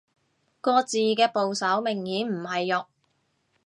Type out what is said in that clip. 個字嘅部首明顯唔係肉